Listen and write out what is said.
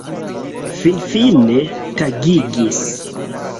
Finfine tagigis!